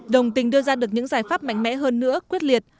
đồng tình đưa ra được những giải pháp mạnh mẽ hơn nữa quyết liệt